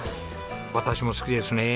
私も好きですね。